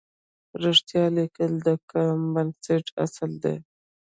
رښتیا لیکل د کالم بنسټیز اصل دی.